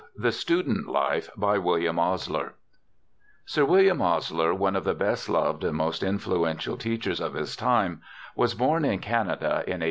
THE STUDENT LIFE By WILLIAM OSLER Sir William Osler, one of the best loved and most influential teachers of his time, was born in Canada in 1849.